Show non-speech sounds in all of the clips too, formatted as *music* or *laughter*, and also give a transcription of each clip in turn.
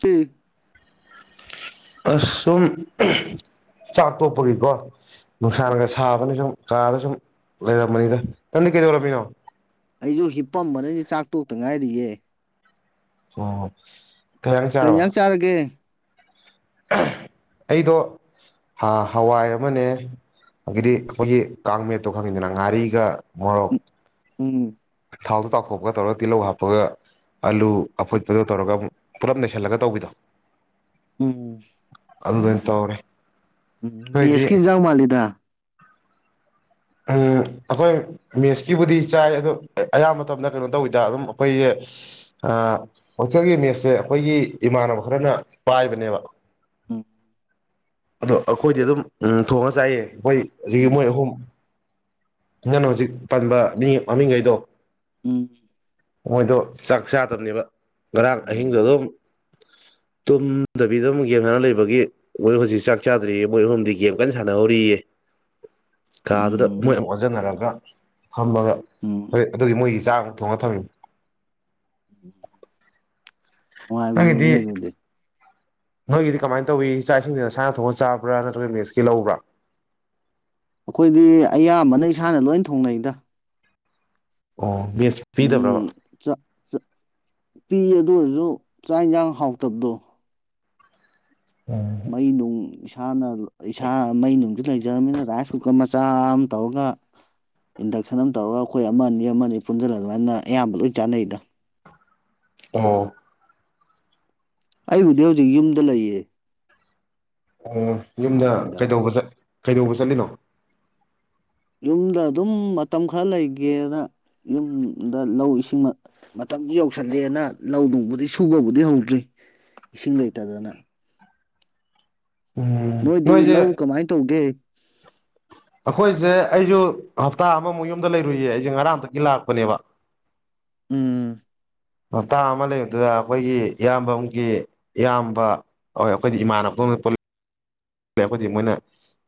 ꯀ ꯑꯁ ꯁꯨꯝ ꯆꯥꯛ ꯇꯣꯛꯄꯒꯤꯀꯣ ꯅꯨꯡꯁꯥꯒ ꯁꯥꯕꯅ ꯁꯨꯝ ꯀꯥꯗ ꯁꯨꯝ ꯂꯩꯔꯝꯕꯅꯤꯗ ꯅꯪꯗꯤ ꯀꯩꯗꯧꯔꯝꯃꯤꯅꯣ ꯑꯩꯁꯨ ꯍꯤꯞꯄꯝꯕꯅꯗꯤ ꯆꯥꯛꯇꯣꯛꯇ ꯉꯥꯏꯔꯤꯌꯦꯦ ꯑꯣ ꯏꯟꯖꯥꯡ ꯀꯩ ꯆꯥꯔꯕ ꯆꯥꯔꯒꯦ ꯑꯩꯗꯣ ꯍꯋꯥꯏ ꯑꯃꯅꯦ ꯑꯗꯤ ꯑꯩꯈꯣꯏꯒꯤ ꯀꯥꯡ ꯃꯦꯠꯇꯣ ꯈꯪꯉꯤꯗꯅ ꯉꯥꯔꯤꯒ ꯃꯣꯔꯣꯛ ꯍꯝ ꯊꯥꯎꯗꯣ ꯇꯥꯎꯊꯣꯛꯄꯒ ꯇꯧꯔꯒ ꯇꯤꯜꯍꯧ ꯍꯥꯞꯄꯒ ꯑꯥꯂꯨ ꯑꯐꯨꯠꯄꯗꯣ ꯇꯧꯔꯒ ꯄꯨꯂꯞ ꯅꯩꯁꯤꯜꯂꯒ ꯇꯧꯕꯤꯗꯣ ꯎꯝ ꯑꯗꯨꯗ ꯇꯧꯔꯦ ꯎꯝ ꯅꯣꯏꯗꯤ ꯃꯤꯁꯀꯤꯝꯖꯥꯡ ꯃꯥꯜꯜꯂꯤꯗ ꯎꯝ ꯑꯩꯈꯣꯏ ꯃꯦꯁꯀꯤꯕꯨꯗꯤ ꯆꯥꯏ ꯑꯗꯣ ꯑꯌꯥꯝꯕ ꯃꯇꯝꯗ ꯀꯩꯅꯣ ꯇꯧꯋꯤꯗ ꯑꯗꯨꯝ ꯑꯩꯈꯣꯏꯁꯦ ꯍꯛꯁꯦꯜꯒꯤ ꯃꯦꯠꯁꯁꯦ ꯑꯩꯈꯣꯏꯒꯤ ꯏꯃꯥꯟꯅꯕ ꯈꯔꯅ ꯄꯥꯏꯕꯅꯦꯕ ꯑ ꯑꯗꯣ ꯑꯩꯈꯣꯏꯗꯤ ꯑꯗꯨꯝ ꯎꯝ ꯊꯣꯡꯉ ꯆꯥꯏꯌꯦ ꯑꯩꯈꯣꯏ ꯍꯧꯖꯤꯛ ꯎꯝ ꯃꯣꯏ ꯑꯍꯨꯝ ꯅꯪꯅ ꯍꯧꯖꯤꯛ ꯄꯥꯟꯕ ꯃꯤ ꯃꯃꯤꯡꯈꯩꯗꯣ ꯎꯝ ꯃꯣꯏꯗꯣ ꯆꯥꯛ ꯆꯥꯗꯕꯅꯦꯕ ꯉꯔꯥꯡ ꯑꯍꯤꯡꯗꯣ ꯎꯝ ꯑꯗꯨꯝ *unintelligible* ꯇꯨꯝꯗꯕꯤꯗ ꯑꯃꯨꯛ ꯒꯦꯝ ꯁꯥꯟꯅ ꯂꯩꯕꯒꯤ ꯃꯣꯏ ꯍꯧꯖꯤꯛ ꯆꯥꯛ ꯆꯥꯗ꯭ꯔꯤꯌꯦ ꯃꯣꯏ ꯑꯍꯨꯝꯗꯤ ꯒꯦꯝ ꯀꯟꯅ ꯁꯥꯟꯅꯍꯧꯔꯤꯌꯦ *unintelligible* ꯀꯥꯗꯨꯗ ꯃꯣꯏ ꯎꯝ ꯑꯃꯨ ꯑꯣꯟꯁꯤꯟꯅꯔꯒ ꯊꯝꯃꯒ ꯎꯝ ꯍꯣꯏ ꯑꯗꯨꯒꯤ ꯃꯣꯏꯒꯤ ꯆꯥꯛꯃꯨꯛ ꯊꯣꯡꯉꯒ ꯊꯝꯃꯤ ꯎꯝ ꯋꯥꯥꯏꯕꯤꯅꯦ ꯅꯪꯒꯤꯗꯤ ꯑꯗꯨꯗ ꯅꯣꯏꯒꯤꯗꯤ ꯀꯃꯥꯏꯅ ꯇꯧꯏꯤ ꯏꯆꯥ ꯏꯁꯤꯡꯁꯤꯅꯁꯥꯅ ꯊꯣꯛꯅ ꯆꯥꯕ꯭ꯔꯥ ꯅꯠꯇ꯭ꯔꯒ ꯃꯦꯛꯁꯀꯤ ꯂꯧꯕ꯭ꯔꯥ ꯑꯩꯈꯣꯏꯗꯤ ꯑꯌꯥꯝꯕꯅ ꯏꯁꯥꯅ ꯂꯣꯏ ꯊꯣꯡꯅꯩꯗ ꯑꯣ ꯃꯤ ꯄꯤꯗꯕ꯭ꯔꯕ ꯆꯥꯛ ꯆꯥꯛ ꯄꯤ ꯑꯗꯨ ꯑꯣꯏꯔꯁꯨ ꯆꯥꯛ ꯌꯦꯟꯁꯥꯡ ꯍꯥꯎꯇꯕꯗꯣ ꯃꯩ ꯅꯨꯡ ꯏꯁꯥꯅ ꯏꯁꯥ ꯃꯩ ꯅꯨꯡꯁꯤ ꯂꯩꯖꯔꯕꯅꯤꯅ ꯔꯥꯏꯁ ꯀꯨꯀꯔ ꯃꯆꯥ ꯑꯃ ꯇꯧꯔꯒ ꯏꯟꯗꯛꯁꯟ ꯑꯃ ꯇꯧꯔꯒ ꯑꯩꯈꯣꯏ ꯑꯃꯅꯤ ꯑ ꯑꯃ ꯑꯅꯤ ꯄꯨꯟꯁꯤꯜꯂ ꯑꯗꯨꯃꯥꯏꯅ ꯑꯌꯥꯝꯕ ꯂꯣꯏ ꯆꯥꯟꯅꯩꯗ ꯑꯣ ꯑꯩꯕꯨꯗꯤ ꯍꯧꯖꯤꯛ ꯌꯨꯝꯗ ꯂꯩꯌꯦ ꯑꯣ ꯌꯨꯝꯗ ꯅꯍꯥꯟ ꯍꯥꯏꯗꯔꯛꯄ ꯀꯩꯗꯧꯕ ꯀꯩꯗꯧꯕ ꯆꯠꯂꯤꯅꯣ ꯌꯨꯝꯗ ꯑꯗꯨꯝ ꯃꯇꯝ ꯈꯔ ꯂꯩꯒꯦꯅ ꯌꯨꯝꯗ ꯂꯧ ꯏꯁꯤꯡ ꯃꯇꯝꯗꯨ ꯌꯧꯁꯜꯂꯦꯅ ꯂꯧ ꯅꯨꯡꯕꯨꯗꯤ ꯁꯨꯕꯕꯨꯗꯤ ꯍꯧꯗ꯭ꯔꯤ ꯏꯁꯤꯡ ꯂꯩꯇꯗꯅ ꯎꯝ ꯅꯣꯏꯗꯤ ꯅꯣꯏꯁꯦ ꯂꯧ ꯀꯃꯥꯏꯅ ꯇꯧꯒꯦ ꯑꯩꯈꯣꯏꯁꯦ ꯑꯩꯁꯨ ꯍꯞꯇꯥ ꯑꯃꯃꯨꯛ ꯌꯨꯝꯗ ꯂꯩꯔꯨꯏꯌꯦ ꯑꯩꯁꯦ ꯉꯔꯥꯡꯇꯛꯗꯒꯤ ꯂꯥꯛꯄꯅꯦꯕ ꯎꯝ ꯍꯞꯇꯥ ꯑꯃ ꯂꯩꯕꯗꯨꯗ ꯑꯩꯈꯣꯏꯒꯤ ꯏꯌꯥꯝꯕꯒꯤ ꯏꯌꯥꯝꯕ ꯍꯣꯏ ꯑꯩꯈꯣꯏꯗꯤ ꯏꯃꯥꯟꯅꯕꯄ ꯑꯩꯣꯏꯗꯤ ꯃꯣꯏꯅ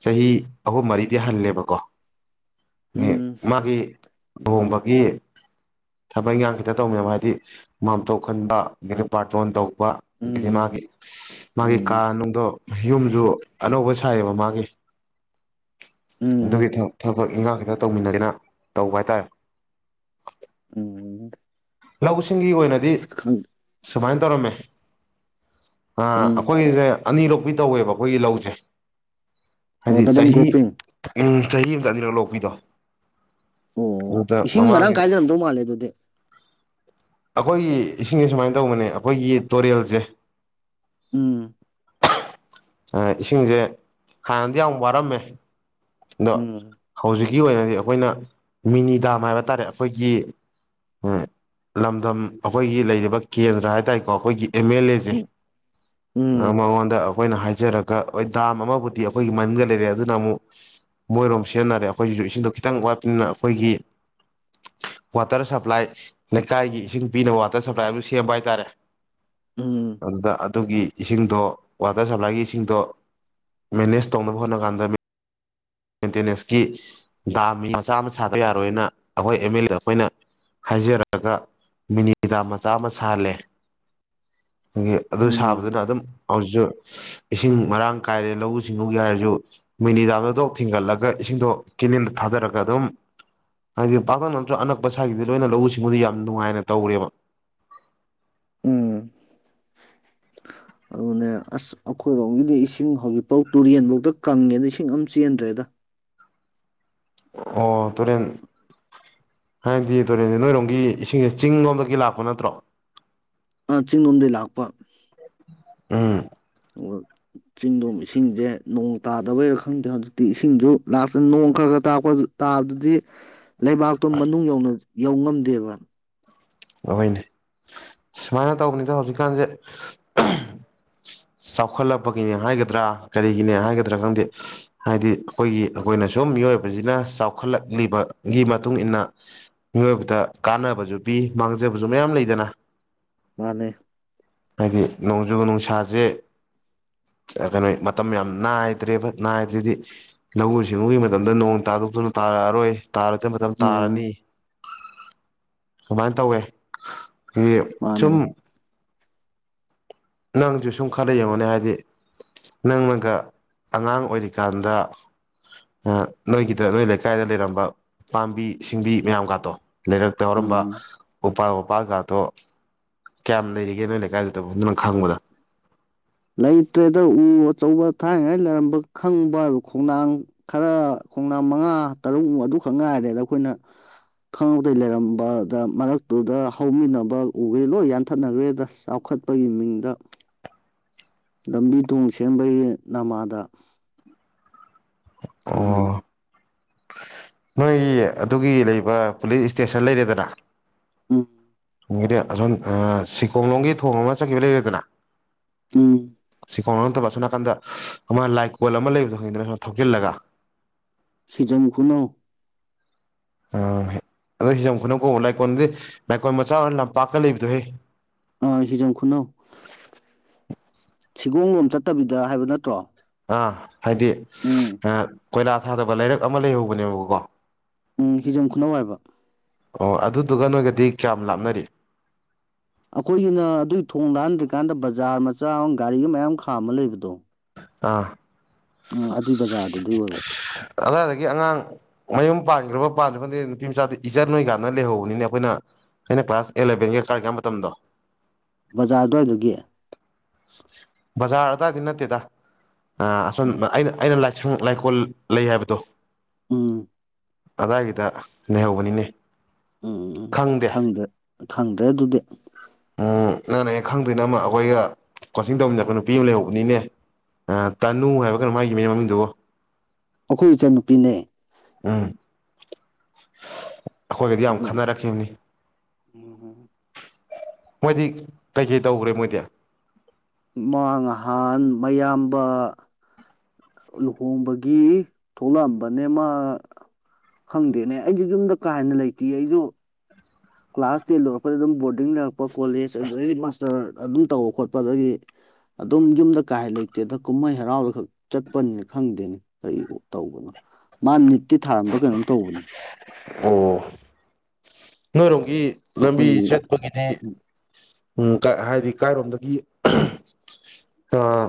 ꯆꯍꯤ ꯑꯍꯨꯝ ꯃꯔꯤꯗꯤ ꯍꯜꯂꯦꯕꯀꯣ ꯎꯝ ꯃꯥꯒꯤ ꯂꯣꯡꯕꯒꯤ ꯊꯕꯛ ꯏꯟꯈꯥꯡ ꯈꯤꯇ ꯇꯧꯅꯦꯕ ꯍꯥꯏꯗꯤ ꯃꯥꯝꯇꯣꯛ ꯈꯟꯕ ꯑꯩꯗꯒꯤ ꯕꯥꯔꯇꯣꯟ ꯇꯧ ꯑ ꯎꯝ ꯃꯥꯒꯤ ꯃꯥꯒꯤ ꯎꯝ ꯀꯥꯅꯨꯡꯗꯣ ꯌꯨꯝꯁꯨ ꯑꯅꯧꯕ ꯁꯥꯏꯌꯦꯕ ꯃꯥꯒꯤ ꯎꯝ ꯑꯗꯨꯒꯤ ꯊꯕꯛ ꯏꯟꯈꯥꯡ ꯈꯤꯇ ꯇꯧꯃꯤꯟꯅꯗꯅ ꯇꯧꯕ ꯍꯥꯏꯇꯥꯔꯦ ꯎꯝ ꯂꯧꯁꯤꯡꯒꯤ ꯑꯣꯏꯅꯗꯤ ꯈꯪ ꯁꯨꯃꯥꯏꯅ ꯇꯧꯔꯝꯃꯦ ꯑ ꯎꯝ ꯑꯩꯈꯣꯏꯒꯤꯁꯦ ꯑꯅꯤꯔꯣꯄꯤꯤ ꯇꯧꯋꯦꯕ ꯑꯩꯈꯣꯏꯒꯤ ꯂꯧꯁꯦ ꯑꯣ ꯍꯥꯏꯗꯤ ꯗꯕꯜ ꯆꯍꯤ ꯒ꯭ꯔꯣꯞꯄꯤꯡ ꯆꯍꯤ ꯑꯃꯇꯅꯤꯔꯣ ꯂꯣꯛꯄꯤꯗꯣ ꯑꯣ ꯑꯗꯨꯗ ꯏꯁꯤꯡ ꯃꯔꯥꯡ ꯃꯃꯥꯡꯒꯤ ꯀꯥꯏꯖꯔꯝꯗꯧ ꯃꯥꯜꯂꯦ ꯑꯗꯨꯗꯤ ꯑꯩꯈꯣꯏꯒꯤ ꯏꯁꯤꯡꯁꯦ ꯁꯨꯃꯥꯏꯅ ꯇꯧꯕꯅꯦ ꯑꯩꯈꯣꯏꯒꯤ ꯇꯨꯔꯦꯜꯁꯦ ꯎꯝ ꯏꯁꯤꯡꯁꯦ ꯍꯥꯟꯅꯗꯤ ꯌꯥꯝ ꯋꯥꯔꯝꯃꯦ ꯑꯗꯣ ꯎꯝ ꯍꯧꯖꯤꯛꯀꯤ ꯑꯣꯏꯅꯗꯤ ꯑꯩꯈꯣꯏꯅ ꯃꯤꯅꯤ ꯗꯥꯝ ꯍꯥꯏꯕ ꯇꯥꯔꯦ ꯑꯩꯈꯣꯏꯒꯤ ꯂꯝꯗꯝ ꯑꯩꯈꯣꯏꯒꯤ ꯂꯩꯔꯤꯕ ꯀꯦꯟꯗ꯭ꯔ ꯍꯥꯏꯇꯥꯔꯦꯀꯣ ꯑꯩꯈꯣꯏꯒꯤ ꯑꯦꯝ ꯑꯦꯜ ꯑꯦꯁꯦ ꯎꯝ ꯎꯝ ꯃꯉꯣꯟꯗ ꯑꯩꯈꯣꯏꯅ ꯍꯥꯏꯖꯔꯛ ꯗꯥꯝ ꯑꯃꯕꯨꯗꯤ ꯑꯩꯈꯣꯏꯒꯤ ꯃꯟꯒ ꯂꯩꯔꯦ ꯑꯗꯨꯅ ꯑꯃꯨꯛ ꯃꯣꯏꯔꯣꯝ ꯁꯤꯖꯤꯟꯅꯔꯦ ꯑꯩꯈꯣꯏꯁꯤꯁꯨ ꯏꯁꯤꯡꯗꯣ ꯈꯤꯇꯪ ꯋꯥꯠꯄꯅꯤꯅ ꯑꯩꯈꯣꯏꯒꯤ ꯋꯥꯇꯔ ꯁꯄ꯭ꯂꯥꯏ ꯂꯩꯀꯥꯏꯒꯤ ꯏꯁꯤꯡ ꯄꯤꯅꯕ ꯋꯥꯇꯔ ꯁꯄ꯭ꯂꯥꯏ ꯁꯦꯝꯕ ꯍꯥꯏꯇꯥꯔꯦ ꯎꯝ ꯑꯗꯨꯗ ꯑꯗꯨꯒꯤ ꯏꯁꯤꯡꯗꯣ ꯋꯥꯇꯔ ꯁꯄ꯭ꯂꯥꯏꯒꯤ ꯏꯁꯤꯡꯗꯣ ꯃꯦꯅꯦꯖ ꯇꯧꯅꯕ ꯍꯣꯠꯅ ꯀꯥꯟꯗ ꯃꯦꯟꯇꯦꯅꯦꯟꯁꯀꯤ ꯗꯥꯝ ꯃꯤ ꯃꯆꯥ ꯑꯃ ꯁꯥꯕ ꯌꯥꯔꯣꯏꯅ ꯑꯩꯈꯣꯏ ꯑꯦꯝ ꯑꯦꯜ ꯑꯦ ꯑꯩꯈꯣꯏꯅ ꯍꯥꯏꯖꯔꯒ ꯃꯤꯅꯤꯗꯥ ꯃꯆꯥ ꯑꯃ ꯁꯥꯍꯜꯂꯦ ꯑꯗꯨ ꯎꯝ ꯁꯥꯕꯗꯨꯅ ꯑꯗꯨꯝ ꯍꯧꯖꯤꯛꯁꯨ ꯏꯁꯤꯡ ꯃꯔꯥꯡ ꯀꯥꯏꯔꯦ ꯂꯧꯎ ꯁꯤꯡꯎꯒꯤ ꯍꯥꯏꯔꯁꯨ ꯃꯤꯅꯤꯗꯥꯝꯗꯗꯣꯛ ꯊꯤꯡꯒꯠꯂꯒ ꯦ ꯊꯥꯔꯒ ꯑꯗꯨꯝ ꯍꯥꯏꯗꯤ ꯄꯥꯛꯇꯛ ꯅꯠꯇ꯭ꯔ ꯑꯅꯛꯄ ꯂꯧ ꯁꯤꯃꯗꯤ ꯌꯥꯝ ꯅꯨꯡꯉꯥꯏꯅ ꯇꯧꯔꯦꯕ ꯎꯝ ꯑꯗꯨꯅꯦ ꯑꯁ ꯑꯩꯈꯣꯏꯔꯣꯝꯒꯤꯗꯤ ꯏꯁꯤꯡ ꯍꯧꯖꯤꯛꯐꯥꯎ ꯇꯨꯔꯦꯟꯐꯧꯗ ꯀꯪꯉꯦꯅ ꯏꯁꯤꯡ ꯑꯃ ꯆꯦꯟꯗ꯭ꯔꯦꯗ ꯑꯣ ꯇꯨꯔꯦꯟ ꯍꯥꯏꯕꯗꯤ ꯇꯨꯔꯦꯟꯁꯦ ꯅꯣꯏꯔꯣꯝꯒꯤ ꯏꯁꯤꯡꯁꯦ ꯆꯤꯡ ꯂꯣꯝꯗꯒꯤ ꯂꯥꯛꯄ ꯅꯠꯇ꯭ꯔꯣ ꯑ ꯆꯤꯡꯂꯣꯝꯗꯒꯤꯩ ꯂꯥꯛꯄ ꯎꯝ ꯑꯣ ꯆꯤꯡꯗꯣꯝ ꯏꯁꯤꯡꯁꯦ ꯅꯣꯡ ꯇꯥꯗꯕꯩꯔꯥ ꯈꯪꯗꯦ ꯍꯧꯖꯤꯛꯇꯤ ꯏꯁꯤꯡꯁꯨ ꯂꯥꯁꯇ ꯅꯣꯡ ꯈꯔ ꯈꯔ ꯇꯥꯔꯄ ꯇꯥꯗꯨꯗꯤ ꯂꯩꯕꯥꯛꯇꯣ ꯃꯅꯨꯡ ꯌꯧ ꯌꯧ ꯉꯝꯗꯦꯕ ꯑꯣꯏꯣꯏꯅꯦ ꯁꯨꯃꯥꯏꯅ ꯇꯧꯕꯅꯤꯗ ꯍꯧꯖꯤꯛꯀꯥꯟꯁꯦ ꯆꯥꯎꯈꯠꯂꯛꯄꯒꯤꯅꯦ ꯍꯥꯏꯒꯗ꯭ꯔꯥ ꯀꯔꯤꯒꯤꯅꯦ ꯍꯥꯏꯒꯗ꯭ꯔꯥ ꯈꯪꯗꯦ ꯍꯥꯏꯗꯤ ꯑꯩꯈꯣꯏꯒꯤ ꯑꯩꯈꯣꯏꯅ ꯁꯨꯝ ꯃꯤꯑꯣꯏꯕꯁꯤꯅ ꯆꯥꯎꯈꯠꯂꯛꯂꯤꯕꯒꯤ ꯃꯇꯨꯡ ꯏꯟꯅ ꯃꯤꯑꯣꯏꯕꯗ ꯀꯥꯟꯅꯕꯁꯨ ꯄꯤ ꯃꯥꯡꯖꯕꯁꯨ ꯃꯌꯥꯝ ꯂꯩꯗꯅ ꯃꯥꯅꯦ ꯍꯥꯏꯗꯤ ꯅꯣꯡꯖꯨꯒ ꯅꯨꯡꯁꯥ ꯎꯆꯦ ꯀꯩꯅꯣ ꯃꯇꯝ ꯌꯥꯝ ꯅꯥꯏꯗ꯭ꯔꯦꯕ ꯅꯥꯏꯗ꯭ꯔꯗꯤ ꯂꯧꯎ ꯁꯤꯡꯎꯒꯤ ꯃꯇꯝꯗ ꯅꯣꯡ ꯇꯥꯗ ꯛꯇꯨꯅ ꯇꯥꯔꯛꯑꯔꯣꯏ ꯇꯥꯔꯗꯤ ꯃꯇꯝ ꯇꯥꯔꯅꯤ ꯎꯝ ꯑꯗꯨꯃꯥꯏꯅ ꯇꯧꯋꯦ ꯑꯩꯗꯤ ꯃꯥꯅꯦ ꯁꯨꯝ ꯅꯪꯁꯨ ꯁꯨꯡꯈꯗ ꯌꯦ ꯃꯅꯦ ꯍꯥꯏꯗꯤ ꯅꯪꯅꯒ ꯑꯉꯥꯡ ꯑꯣꯏꯔꯤꯀꯥꯟꯗ ꯅꯣꯏꯒꯤꯗ ꯅꯣꯏ ꯂꯩꯀꯥꯏꯗ ꯂꯩꯔꯝꯕ ꯄꯥꯝꯕꯤ ꯁꯤꯡꯕꯤ ꯃꯌꯥꯝꯒꯇꯣ ꯂꯩꯔꯛꯇ ꯌꯥꯔꯝꯕ ꯎꯝ ꯎꯄꯥꯜ ꯋꯥꯄꯥꯜꯒꯥꯗꯣ ꯀꯌꯥꯝ ꯂꯩꯔꯤꯒꯦ ꯅꯣꯏ ꯂꯩꯀꯥꯏꯗꯨꯗꯕꯨ ꯑꯗꯨꯅ ꯈꯪꯕꯗ ꯂꯩꯇ꯭ꯔꯦꯗ ꯎ ꯑꯆꯧꯕ ꯊꯥꯏꯅꯉꯥꯏ ꯂꯩꯔꯝꯕ ꯈꯪꯕ ꯍꯥꯏꯕ ꯈꯣꯡꯅꯥꯡ ꯈꯔ ꯈꯣꯡꯅꯥꯡ ꯃꯉꯥ ꯇꯔꯨꯛꯃꯨꯛ ꯑꯗꯨꯈꯛ ꯉꯥꯏꯔꯦꯗ ꯑꯩꯈꯣꯏꯅ ꯈꯪꯍꯧꯗꯩ ꯂꯩꯔꯝꯕꯗ ꯃꯔꯛꯇꯨꯗ ꯍꯧꯃꯤꯟꯅꯕ ꯎꯒ꯭ꯔꯦ ꯂꯣꯏ ꯌꯥꯟꯊꯠꯅꯈ꯭ꯔꯦꯗ ꯆꯥꯎꯈꯠ ꯆꯠꯄꯒꯤ ꯃꯤꯡꯗ ꯂꯝꯕꯤ ꯊꯣꯡ ꯁꯦꯝꯕꯒꯤ ꯅꯃꯥꯗ ꯋꯥꯅꯤ ꯑꯣ ꯅꯣꯏꯒꯤ ꯑꯗꯨꯒꯤ ꯂꯩꯕ ꯄꯨꯂꯤꯁ ꯏꯁꯇꯦꯁꯟ ꯂꯩꯔꯦꯗꯅ ꯎꯝ ꯗꯤ ꯑꯁꯣꯝ ꯁꯤꯀꯣꯂꯣꯝꯒꯤ ꯊꯣꯡ ꯑꯃ ꯆꯠꯈꯤꯕ ꯂꯩꯔꯦꯗꯅ ꯎꯝ ꯁꯤ ꯀꯥꯎ ꯅꯠꯇꯕ ꯁꯣꯝ ꯅꯥꯀꯟꯗ ꯑꯃ ꯂꯥꯏ ꯀꯣꯜ ꯑꯃ ꯂꯩꯕꯗꯣ ꯈꯪꯉꯤꯗꯅ ꯁ ꯊꯧꯆꯤꯜꯂꯒ ꯍꯤꯖꯝ ꯈꯨꯨꯅꯣ ꯑ ꯑꯗꯨꯣ ꯍꯤꯖꯝ ꯈꯨꯅꯝ ꯀꯧꯕ ꯂꯩꯥꯏꯀꯣꯜꯗꯤ ꯂꯥꯏꯀꯣꯜ ꯃꯆꯥ ꯂꯝꯄꯥꯛꯀ ꯂꯩꯕꯗꯣ ꯍꯦ ꯑꯥ ꯍꯤꯖꯝ ꯈꯨꯅꯧ ꯁꯤꯒꯣꯂꯣꯝ ꯆꯠꯇꯕꯤꯗ ꯍꯥꯏꯕ ꯅꯠꯇ꯭ꯔꯣ ꯑꯥ ꯍꯥꯏꯗꯤ ꯎꯝ ꯀꯣꯏꯂꯥ ꯊꯥꯗꯕ ꯂꯩꯥꯏꯔꯛ ꯑꯃ ꯂꯩꯍꯧꯕꯅꯦꯕꯀꯣ ꯎꯝ ꯍꯤꯖꯝ ꯈꯨꯅꯧ ꯍꯥꯏꯕ ꯑꯣ ꯑꯗꯨꯗꯨꯒ ꯅꯣꯏꯒꯗꯤ ꯆ ꯂꯥꯞꯅꯔꯤ ꯑꯩꯈꯣꯏꯒꯤꯅ ꯑꯗꯨꯒꯤ ꯊꯣꯡ ꯂꯥꯛꯍꯟꯗ꯭ꯔꯤꯀꯥꯟꯗ ꯕꯖꯥꯔ ꯃꯆꯥ ꯑꯃ ꯒꯥꯔꯤꯒ ꯃꯌꯥꯝ ꯈꯥꯝꯃ ꯂꯩꯕꯗꯣ ꯑꯥ ꯎꯝ ꯑꯗꯨꯏ ꯕꯖꯥꯔꯗꯨꯗꯤꯩ ꯑꯣꯏꯕ ꯑꯗꯨꯋꯥꯏꯗꯒꯤ ꯑꯉꯥꯡ ꯃꯌꯨꯝ ꯄꯥꯟꯗ꯭ꯔꯕ ꯄꯥꯟꯗ꯭ꯔ ꯈꯥꯟꯗꯩ ꯅꯨꯄꯤ ꯃꯆꯥꯗꯤ ꯏꯆꯔ ꯅꯣꯏ ꯀꯥꯟꯗ ꯂꯩꯍꯧꯕꯅꯤꯅ ꯑꯩꯈꯣꯏꯅ ꯑꯩꯅ ꯀ꯭ꯂꯥꯁ ꯑꯦꯂꯚꯦꯟꯒꯤ ꯀꯥꯔꯒꯦꯕ ꯃꯇꯝꯗꯣ ꯕꯖꯥꯔ ꯑꯗꯨꯋꯥꯏꯗꯒꯤ ꯕꯖꯥꯔ ꯑꯗꯨꯗꯥꯋꯥꯏꯗꯤ ꯅꯠꯇꯦꯗ ꯑ ꯑꯁꯣꯝ ꯎꯝ ꯑꯩꯅ ꯑꯩꯅ ꯂꯥꯏ ꯌꯥ ꯁꯪ ꯂꯥꯏꯀꯣꯜ ꯂꯩ ꯍꯥꯏꯕꯗꯣ ꯎꯝ ꯑꯗꯥꯏꯒꯤꯗ ꯂꯩꯍꯧꯕꯅꯤꯅꯦ ꯎꯝ ꯈꯪꯗꯦ ꯈꯪꯗ꯭ꯔꯦ ꯈꯪꯗ꯭ꯔꯦ ꯑꯗꯨꯗꯤ ꯎꯝ ꯅꯪꯅꯦ ꯑꯩ ꯈꯪꯗꯣꯏ ꯅ ꯑꯃ ꯑꯩꯈꯣꯏꯒ ꯀꯣꯆꯤꯡ ꯇꯧꯕꯅꯤꯅ ꯑꯩꯈꯣꯏ ꯅꯨꯄꯤ ꯑꯃ ꯂꯩꯍꯧꯕꯅꯤꯅꯦ ꯇꯥꯅꯨ ꯍꯥꯏꯕ ꯀꯩꯅꯣ ꯃꯥꯒꯤ ꯃꯤꯅꯦ ꯃꯃꯤꯡꯗꯨꯕꯣ ꯑꯩꯈꯣꯏ ꯏꯆ ꯅꯨꯨꯄꯤꯅꯦ ꯎꯝ ꯑꯩꯈꯣꯏꯒꯗꯤ ꯌꯥꯝ ꯈꯟꯅꯔꯛꯈꯤꯕꯅꯤ ꯎ *inaudible* ꯃꯣꯏꯗꯤ ꯀꯩꯀꯩ ꯇꯧꯈ꯭ꯔꯦ ꯃꯣꯏꯗꯤ ꯃꯥꯡꯍꯥꯟ ꯃꯌꯥꯝꯕ ꯂꯨꯍꯣꯡꯕꯒꯤ ꯊꯣꯛꯂꯛꯑꯝꯕꯅꯦ ꯃꯥ ꯈꯪꯗꯦꯅꯦ ꯑꯩꯁꯨ ꯌꯨꯝꯗ ꯀꯥ ꯍꯦꯟꯅ ꯂꯩꯇꯦ ꯑꯩꯁꯨ ꯀ꯭ꯂꯥꯁ ꯇꯦꯟ ꯂꯧꯔꯛꯄꯗ ꯑꯗꯨꯝ ꯕꯣꯔꯗꯤꯡ ꯂꯩꯔꯛꯄ ꯀꯣꯂꯦꯖ ꯑꯗꯨꯝ ꯇꯧꯕ ꯈꯣꯠꯄ ꯑꯗꯒꯤ ꯑꯗꯨꯝ ꯌꯨꯝꯗ ꯀꯥꯍ ꯂꯩꯇꯦꯗ ꯀꯨꯝꯍꯩ ꯍꯔꯥꯎꯗ ꯈꯛ ꯆꯠꯄꯅꯤꯅ ꯈꯪꯗꯦꯅꯦ ꯀꯔꯤ ꯇꯧꯕꯅꯣ ꯃꯥ ꯅꯤꯠꯇꯤ ꯊꯥꯔꯝꯕ ꯀꯩꯅꯣꯝ ꯇꯧꯕꯅꯦ ꯑꯣ ꯅꯣꯏ ꯂꯝꯕꯤ ꯑꯩꯈꯣꯏꯒꯤ ꯆꯠꯄꯒꯤꯗꯤ ꯎꯝ ꯍꯥꯏꯗꯤ ꯀꯥꯏꯔꯣꯝꯗꯒꯤ ꯑꯥ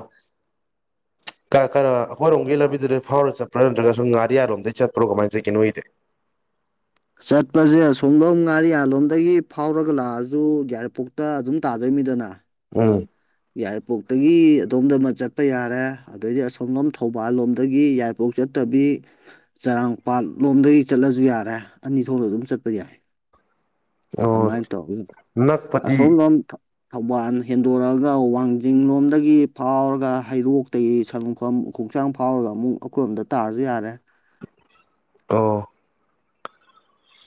ꯀꯩꯅꯣ ꯑꯩꯈꯣꯏꯔꯣꯝꯒꯤ ꯂꯝꯕꯤꯗꯨꯗ ꯐꯥꯎꯔꯒ ꯆꯠꯄ꯭ꯔꯣ ꯅꯠꯇ꯭ꯔꯒ ꯁ ꯉꯥꯔꯤꯌꯥꯔꯣꯝꯗꯩ ꯆꯠꯄ꯭ꯔꯣ ꯀꯃꯥꯏꯅ ꯆꯠꯒꯦ ꯅꯣꯣꯏꯗꯤ *inaudible* ꯆꯠꯄꯁꯦ ꯁꯣꯝꯗꯣꯝ ꯉꯥꯔꯤꯌꯥꯜꯂꯣꯝꯗꯒꯤ ꯐꯥꯎꯔꯒ ꯂꯥꯛꯑꯁꯨ ꯌꯥꯔꯤꯄꯣꯛꯇ ꯑꯗꯨꯝ ꯇꯥꯗꯣꯏꯅꯤꯗꯅ ꯎꯝ ꯌꯥꯏꯔꯤꯄꯣꯛꯇꯒꯤ ꯑꯗꯣꯝꯗ ꯑꯃ ꯆꯠꯄ ꯌꯥꯔꯦ ꯑꯗꯩꯗꯤ ꯑꯁꯣꯝꯂꯣꯝ ꯊꯧꯕꯥꯜ ꯂꯣꯝꯗꯒꯤ ꯌꯥꯏꯔꯤꯄꯣꯛ ꯆꯠꯇꯕ ꯗꯤ ꯆꯔꯥꯡꯄꯥꯥꯠ ꯂꯣꯝꯗꯒꯤ ꯆꯠꯂꯁꯨ ꯌꯥꯔꯦ ꯑꯅꯤ ꯊꯣꯛꯅ ꯑꯗꯨꯝ ꯆꯠꯄ ꯌꯥꯏ ꯑꯣ ꯑꯗꯨꯃꯥꯏꯅ ꯇꯧꯋꯤ ꯑꯁꯣꯝ ꯅꯛꯄꯗꯤ ꯂꯣꯝ ꯊꯧꯕꯥꯜ ꯍꯦꯟꯗꯣꯔꯛꯑꯒ ꯋꯥꯡꯖꯤꯡ ꯂꯣꯝꯗꯒꯤ ꯐꯥꯎꯔꯒ ꯍꯩꯔꯣꯛꯇꯒꯤ ꯁꯪꯂꯨꯡꯐꯝ ꯈꯣꯡꯛꯆꯥꯡ ꯐꯥꯎꯔꯒ ꯑꯃꯨꯛ ꯑꯩꯈꯣꯏꯣꯝꯗ ꯇꯥꯔꯁꯨ ꯌꯥꯔꯦ ꯑ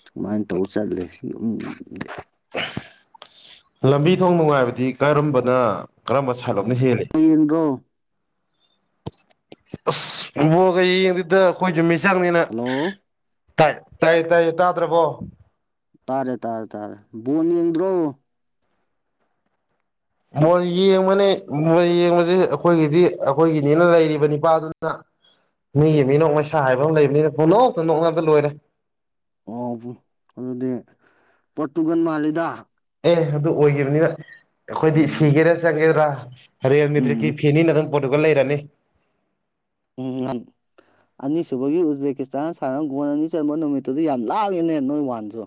ꯑꯗꯨꯃꯥꯏꯅ ꯇꯧ ꯆꯠꯂꯦ ꯂꯝꯕꯤ ꯊꯣꯡ ꯅꯨꯡꯉꯥꯏꯕꯗꯤ ꯀꯔꯝꯕꯅ ꯀ ꯊꯂꯣꯞꯅ ꯍꯦꯜꯜꯂꯤꯦ ꯕꯣꯜ ꯌꯦꯡꯗ꯭ꯔꯣ ꯑꯁ ꯏꯕꯣꯒ ꯌꯦꯡꯗꯤꯗ ꯑꯩꯈꯣꯏꯁꯨꯨꯝ ꯃꯤꯆꯪꯅꯤꯅ ꯍꯜꯂꯣ ꯇꯥꯏ ꯇꯥꯏ ꯇꯥꯏꯌꯦ ꯇꯥꯗ꯭ꯔꯕꯣ ꯇꯥꯔꯦ ꯇꯥꯔꯦ ꯇꯥꯔꯦ ꯕꯣꯟ ꯌꯦꯡꯗ꯭ꯔꯣ ꯃꯜ ꯌꯦꯡꯕꯅꯦ ꯃꯣꯏꯜ ꯌꯦꯡꯕꯁꯦ ꯑꯩꯈꯣꯏꯒꯤꯗꯤ ꯑꯩꯈꯣꯏꯒꯤꯅꯤꯅ ꯂꯩꯔꯤꯕ ꯅꯤꯄꯥꯗꯨꯅ ꯃꯤꯒꯤ ꯃꯤꯅꯣꯛ ꯃꯩꯁꯥ ꯍꯥꯏꯕ ꯑꯃ ꯂꯩꯕꯅꯤꯅ ꯄꯅꯣꯛꯇ ꯅꯣꯛ ꯉꯥꯛꯇ ꯂꯣꯏꯔꯦ ꯑꯣ ꯑꯗꯨꯗꯤ ꯄꯣꯔꯇꯨꯒꯥꯟ ꯃꯥꯜꯂꯤꯗ ꯑꯦ ꯑꯗꯨ ꯑꯣꯏꯈꯤꯕꯅꯤꯅ ꯑꯩꯈꯣꯏꯗꯤ ꯎꯝ ꯁꯤꯒꯦꯔꯥ ꯆꯪꯒꯦꯗ꯭ꯔꯥ ꯔꯤꯌꯦꯜꯃꯤ ꯎꯝ ꯇ꯭ꯔꯤꯛꯀꯤ ꯐꯦꯟꯅꯤꯅ ꯑꯗꯨꯝ ꯗꯨꯒ ꯂꯩꯔꯅꯤ ꯎꯝ ꯎ ꯑꯅꯤꯁꯨꯕꯒꯤ ꯎꯖꯕꯦꯀꯤꯁꯇꯥꯟ ꯁꯥꯟꯔ ꯒꯣꯜ ꯑꯅꯤ ꯆꯟꯕ ꯅꯨꯃꯤꯠꯇꯨꯗꯤ ꯌꯥꯝ ꯂꯥꯡꯉꯦꯅꯦ ꯅꯣꯏ ꯋꯥꯟꯁꯨ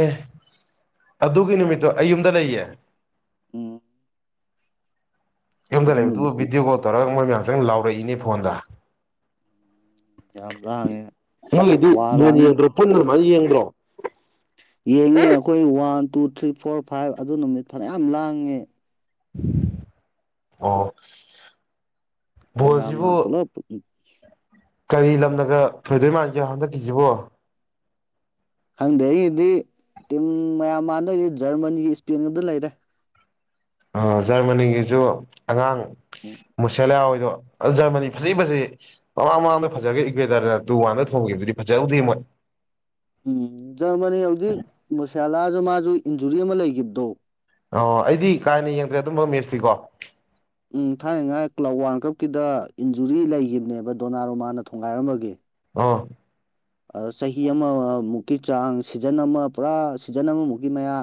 ꯑꯦ ꯑꯗꯨꯒꯤ ꯅꯨꯃꯤꯠꯇꯣ ꯑꯩ ꯌꯨꯝꯗ ꯂꯩꯌꯦ ꯑꯝ ꯌꯨꯝꯗ ꯂꯩꯕꯗꯨ ꯚꯤꯗꯤꯑꯣ ꯀꯣꯜ ꯇꯧꯔꯒ ꯃꯣꯏ ꯃꯌꯥꯝꯁꯪ ꯂꯥꯎꯔꯛꯏꯅꯦ ꯐꯣꯟꯗ ꯌꯥꯝ ꯂꯥꯡꯉꯦ ꯑꯩꯒꯤꯗꯤ ꯋꯥ ꯃꯨꯣꯟ ꯂꯥꯡꯉꯤ ꯌꯦꯡꯕ꯭ꯔꯣ ꯄꯨꯟꯗꯃꯅ ꯌꯦꯡꯕ꯭ꯔꯣ ꯌꯦꯡꯉꯦ ꯑꯩꯈꯣꯏ one two three four five ꯑꯗꯨ ꯅꯨꯃꯤꯠ ꯐꯅꯌꯥꯝ ꯂꯥꯡꯉꯦ ꯑꯣ ꯑꯩ ꯌꯥꯝꯅ ꯕꯣꯜꯁꯤꯕꯨ ꯄꯨꯂꯣ ꯀꯔꯤ ꯂꯝꯂꯒ ꯊꯣꯏꯗꯣꯏ ꯃꯥꯟꯒꯦ ꯍꯟꯗꯛꯀꯤꯁꯤꯕꯣ ꯈꯪꯗꯦ ꯑꯩꯒꯤꯗꯤ ꯇꯤꯝ ꯃꯌꯥꯝ ꯃꯥꯟꯅꯣꯏ ꯖꯔꯃꯅꯤꯒꯤ ꯏꯁꯄꯦꯟꯒꯗ ꯂꯩꯔꯦ ꯑ ꯖꯔꯃꯅꯤꯒꯤꯁꯨ ꯑꯉꯥꯡ ꯎꯝ ꯃꯨꯁꯂ ꯑꯣꯏ ꯑꯗꯣ ꯖꯔꯃꯅꯤ ꯐꯖꯩ ꯐꯁꯦ ꯃꯃꯥꯡ ꯃꯃꯥꯡꯗ ꯐꯖꯔꯒ ꯏꯀ꯭ꯋꯦꯇꯔꯅ ꯇꯨ ꯋꯥꯟꯗ ꯊꯣꯡꯈꯤꯕꯗꯨꯗꯤ ꯐꯖꯍꯧꯗꯦ ꯃꯣꯏ ꯎꯝ ꯖꯔꯃꯅꯤ ꯍꯧꯖꯤꯛ ꯃꯨꯁꯌꯥꯂꯥꯁꯨ ꯃꯥꯁꯨ ꯏꯟꯖꯨꯔꯤ ꯑꯃ ꯂꯩꯈꯤꯕꯗꯣ ꯑꯣ ꯑꯩꯗꯤ ꯀꯥ ꯍꯦꯟꯅ ꯌꯦꯡꯗ꯭ꯔꯦ ꯑꯗꯨꯝꯕ ꯃꯦꯁꯇꯤꯀꯣ ꯎꯝ ꯊꯥꯏꯅꯉꯥꯏ ꯀ꯭ꯂꯕ ꯋꯥꯔꯜ ꯀꯞꯀꯤꯗ ꯏꯟꯖꯨꯔꯤ ꯂꯩꯈꯤꯕꯅꯦꯕ ꯗꯣꯅꯥ ꯔꯣꯃꯥꯅ ꯊꯣꯡꯒꯥꯏꯔꯝꯃꯒꯦ ꯑꯣꯥ ꯑ ꯆꯍꯤ ꯑꯃꯃꯨꯛꯀꯤ ꯆꯥꯡ ꯁꯤꯖꯟ ꯑꯃ ꯄꯨꯔꯥ ꯁꯤꯖꯟ ꯑꯃꯃꯨꯛꯀꯤ ꯃꯌꯥ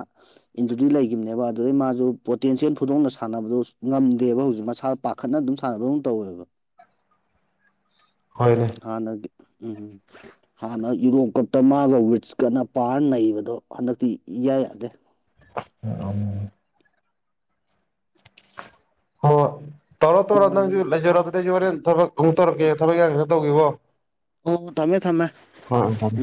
ꯏꯟꯗꯨꯔꯤ ꯂꯩꯈꯤꯕꯅꯦꯕ ꯑꯗꯨꯗꯩ ꯃꯥꯁꯨ ꯄꯣꯇꯦꯟꯁꯤꯌꯦꯦꯜ ꯐꯨꯗꯣꯡꯅ ꯁꯥꯟꯅꯕꯗ ꯉꯝꯗꯦꯕ ꯍꯧꯖꯤꯛ ꯃꯁꯥ ꯄꯥꯈꯠꯅ ꯑꯗꯨꯝ ꯁꯥꯟꯅꯕꯝ ꯇꯧꯋꯦꯕ ꯍꯣꯏꯅꯦ ꯍꯅꯦ ꯎꯝꯝ ꯍꯥꯟꯅ ꯌꯨꯔꯣꯞ ꯀꯞꯇ ꯃꯥꯒ ꯋꯤꯠꯁꯀꯅ ꯄꯥꯔꯅ ꯅꯩꯕꯗꯣ ꯍꯟꯗꯛꯇꯤ ꯏꯌꯥ ꯌꯥꯗꯦ *inaudible* ꯑ ꯇꯧꯔꯣ ꯇꯧꯔꯣ ꯅꯪꯁꯨ ꯎꯝ ꯂꯩꯖꯔꯣ ꯑꯗꯨꯗ ꯑꯩꯁꯨ ꯍꯣꯔꯦꯟ ꯊꯕꯛ ꯀ ꯑꯃꯨꯛ ꯇꯧꯔꯛꯀꯦ ꯎꯝ ꯊꯕꯛ ꯌꯥꯝ ꯈꯔ ꯇꯧꯈꯤꯕꯕꯣ ꯑꯣ ꯊꯃꯦ ꯊꯃꯦ ꯍꯣꯏ ꯑꯣꯇꯥꯔꯦ